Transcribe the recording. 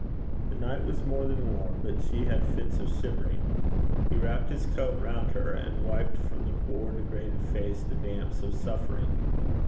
The night was more than warm, but she had fits of shivering. He wrapped his coat round her, and wiped from the poor degraded face the damps of suffering.